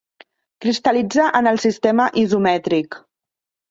Cristal·litza en el sistema isomètric.